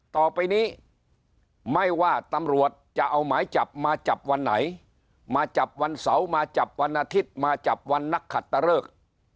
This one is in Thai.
ต่อไปนี้ไม่ว่าตำรวจจะเอาหมายจับมาจับวันไหนมาจับวันเสาร์มาจับวันอาทิตย์มาจับวันนักขัดตะเลิก